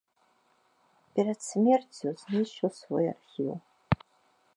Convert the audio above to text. Перад смерцю знішчыў свой архіў.